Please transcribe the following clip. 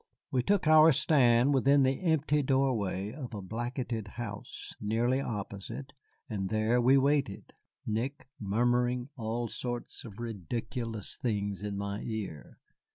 We took our stand within the empty doorway of a blackened house, nearly opposite, and there we waited, Nick murmuring all sorts of ridiculous things in my ear.